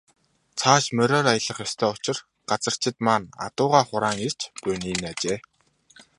Цааш мориор аялах ёстой учир газарчид маань адуугаа хураан ирж буй нь энэ аж.